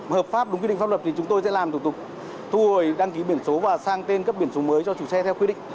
hợp pháp đúng quy định pháp luật thì chúng tôi sẽ làm thủ tục thu hồi đăng ký biển số và sang tên cấp biển số mới cho chủ xe theo quy định